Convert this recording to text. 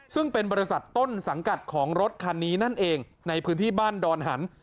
ซึ่งเป็นบริษัทต้นสังกัดของรถคันนี้นั่นเองในพื้นที่บ้านดอนหัน